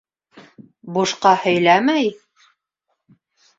Бушҡа һөйләмәй?